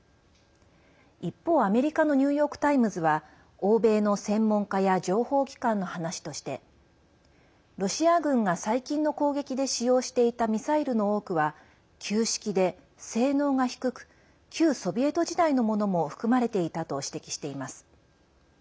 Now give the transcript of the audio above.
一方、アメリカのニューヨーク・タイムズは欧米の専門家や情報機関の話としてロシア軍が最近の攻撃で使用していたミサイルの多くは旧式で性能が低く旧ソビエト時代のものも含まれていたと指摘しています。